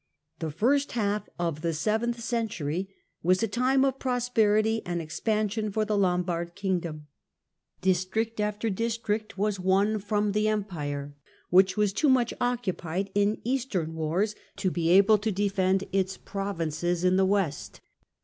The first half of the seventh century was a time of prosperity and expansion for the Lombard kingdom. District after district was won from the Empire, which was too much occupied in Eastern .wars to be able to defend its provinces in the West.